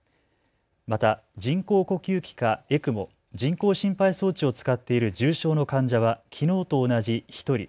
また人工呼吸器かＥＣＭＯ・人工心肺装置を使っている重症の患者はきのうと同じ１人。